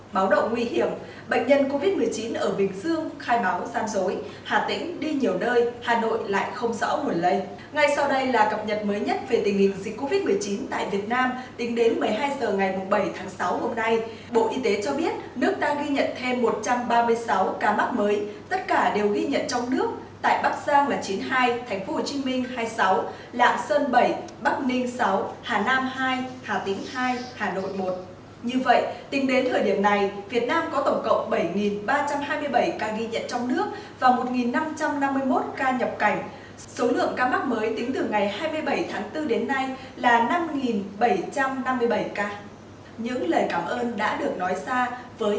máu đậu nguy hiểm bệnh nhân covid một mươi chín ở bình dương khai máu giam dối